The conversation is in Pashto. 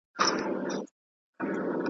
طبیعي خواړه روغتیا ښه کوي.